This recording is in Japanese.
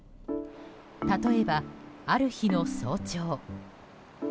例えば、ある日の早朝。